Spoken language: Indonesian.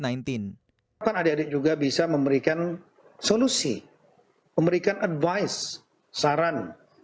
itu kan adik adik juga bisa memberikan solusi memberikan advice saran